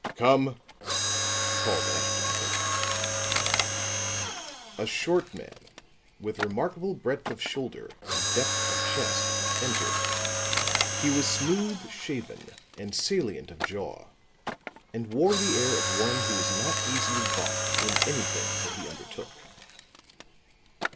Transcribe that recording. "Come," called Ashton Kirk. A short man with remarkable breadth of shoulder and depth of chest entered; he was smooth shaven and salient of jaw and wore the air of one who was not easily balked in anything that he undertook.